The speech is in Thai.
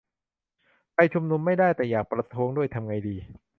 ไปชุมนุมไม่ได้ แต่อยากประท้วงด้วย ทำไงดี ?